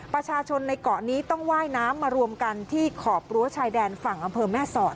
ประชาชนในเกาะนี้ต้องว่ายน้ำมารวมกันที่ขอบรั้วชายแดนฝั่งอำเภอแม่สอด